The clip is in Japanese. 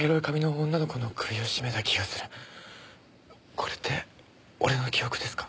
これって俺の記憶ですか？